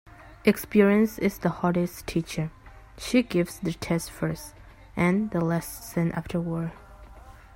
Experience is the hardest teacher. She gives the test first and the lesson afterwards.